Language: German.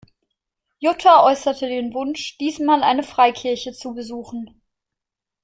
Jutta äußerte den Wunsch, diesmal eine Freikirche zu besuchen.